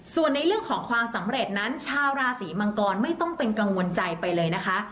ส่วนในเรื่องของความสำเร็จนั้นชาวราศีมังกรไม่ต้องเป็นกังวลใจไปเลยนะคะ